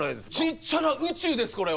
ちっちゃな宇宙ですこれは。